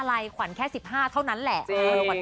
อะไรขวัญแค่๑๕เท่านั้นแหละ